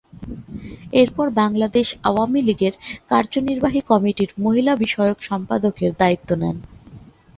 এরপর বাংলাদেশ আওয়ামী লীগের কার্যনির্বাহী কমিটির মহিলা বিষয়ক সম্পাদকের দায়িত্ব নেন।